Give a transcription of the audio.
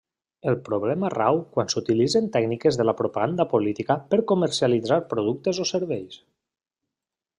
El problema rau quan s'utilitzen tècniques de la propaganda política per comercialitzar productes o serveis.